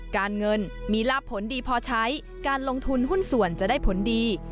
การเงินมีลาบผลดีพอใช้การลงทุนหุ้นส่วนจะได้ผลดี